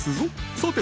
さて